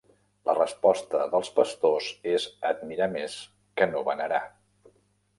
La resposta dels pastors és admirar més que no venerar.